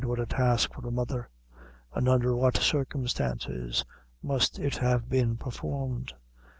what a task for a mother, and under what circumstances must it have been performed!